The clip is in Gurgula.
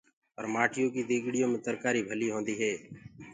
پر مآٽيو ڪي ديگڙيو مي ترڪآري ڀلي هوندي هي۔